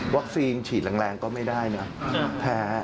วัคซีนฉีดแรงก็ไม่ได้นะแพ้